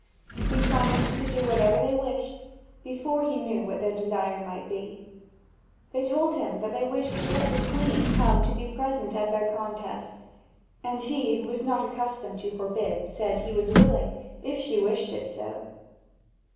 He promised to do whatever they wished, before he knew what their desire might be. Then they told him that they wished him to let the Queen come to be present at their contest. And he who was not accustomed to forbid, said he was willing, if she wished ir so.